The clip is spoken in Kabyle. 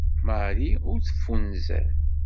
Marie ur teffunzer.